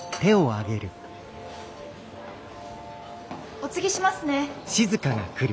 おつぎしますね。